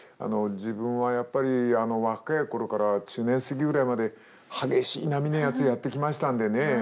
自分はやっぱり若い頃から中年過ぎぐらいまで激しい波のやつをやって来ましたんでね。